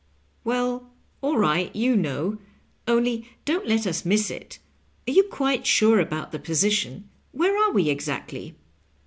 " Well, all right ; you know ; only don't let us miss it. Are you quite sure about the position t Where are we exactly?"